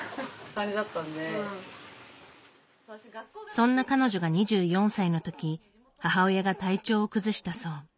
そんな彼女が２４歳のとき母親が体調を崩したそう。